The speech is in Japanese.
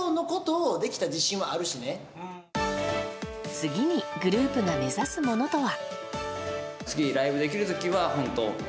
次にグループが目指すものとは。